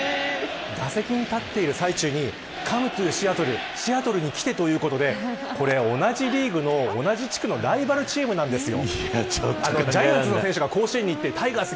打席に立っている最中にＣｏｍｅｔｏＳｅａｔｔｌｅシアトルに来てということで同じリーグのライバルチームなんですよ。